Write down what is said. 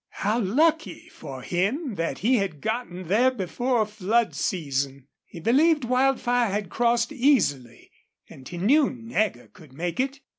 How lucky for him that he had gotten there before flood season! He believed Wildfire had crossed easily, and he knew Nagger could make it.